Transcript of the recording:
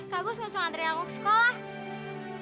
kak agus gak usah anterin aku ke sekolah